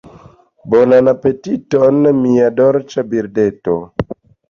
Bonan apetiton, mia dolĉa birdeto.